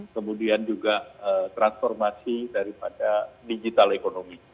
kemudian juga transformasi daripada digital economy